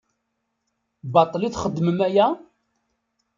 Baṭel i txeddmem aya?